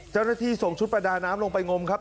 เจ้าหน้าที่ส่งชุดประดาน้ำลงไปงมครับ